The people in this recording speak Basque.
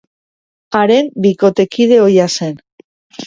Haren bikotekide ohia zen.